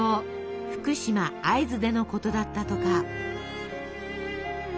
福島会津でのことだったとか。